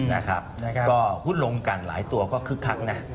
นะครับนะครับก็หุ้นโรงกรรมหลายตัวก็คึกคักนะ